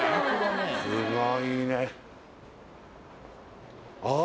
すごいねあ